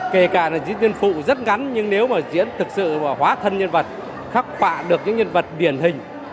kể cả là diễn viên phụ rất ngắn nhưng nếu mà diễn thực sự mà hóa thân nhân vật khắc họa được những nhân vật điển hình